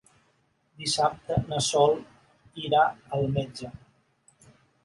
Dissabte na Sol irà al metge.